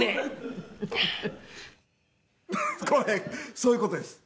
そういう事です。